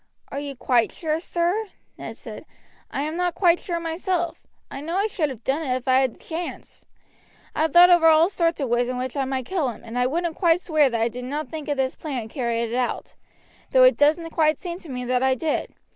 "Are you quite sure, sir?" Ned said. "I am not quite sure myself. I know I should have done it if I had had the chance. I thought over all sorts of ways in which I might kill him, and I wouldn't quite swear that I did not think of this plan and carry it out, though it doesn't quite seem to me that I did.